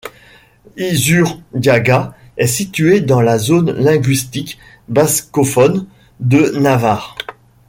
Izurdiaga est situé dans la zone linguistique bascophone de Navarre.